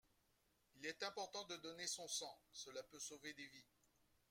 Il est important de donner son sang, cela peut sauver des vies.